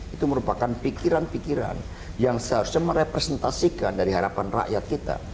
itu merupakan pikiran pikiran yang seharusnya merepresentasikan dari harapan rakyat kita